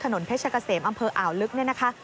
ถนนเพชรกะเสมอำเภออ่าวลึก